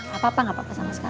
gak apa apa gak apa sama sekali